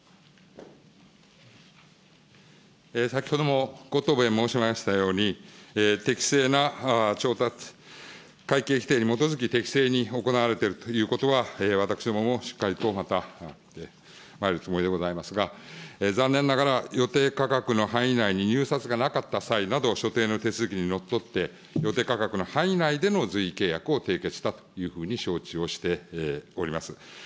先ほどもご答弁申しましたように、適正な調達会計規定に基づき、適正に行われているということは、私どももしっかりとまた、まいるつもりでございますが、残念ながら、予定価格の範囲内に、入札がなかった際などは、所定の手続きにのっとって、予定価格の範囲内での随意契約を締結したというふうに承知をしております。